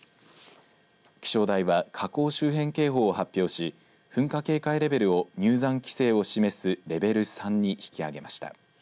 気象台は火口周辺警報を発表し噴火警戒レベルを入山規制を示すレベル３に引き上げました。